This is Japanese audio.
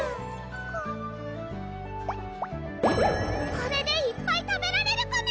これでいっぱい食べられるコメ！